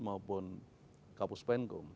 mahupun kapus penkum